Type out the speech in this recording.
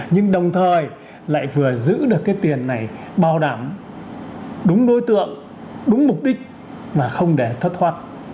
nhưng đồng thời lại vừa giữ được cái tiền này bảo đảm đúng đối tượng đúng mục đích mà không để thất thoát